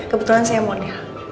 kebetulan saya model